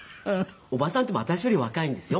おばさんっていっても私より若いんですよ。